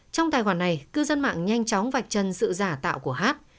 trong tài khoản này cư dân mạng nhanh chóng vạch chân sự giả tạo của hát